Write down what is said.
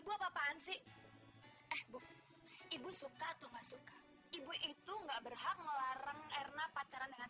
ibu apaan sih eh ibu ibu suka atau nggak suka ibu itu nggak berhak ngelarang erna pacaran dengan